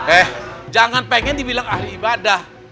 eh jangan pengen dibilang ahli ibadah